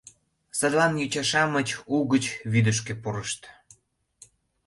Садлан йоча-шамыч угыч вӱдышкӧ пурышт.